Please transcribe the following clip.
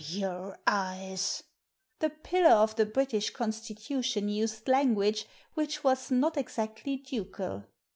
*• your eyes!" The pillar of the British Constitution used language which was not exactly ducal.